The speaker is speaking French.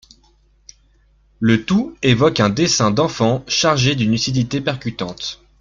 Le tout évoque un dessin d'enfant chargé d'une lucidité percutante.